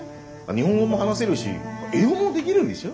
日本語も話せるし英語もできるんでしょ？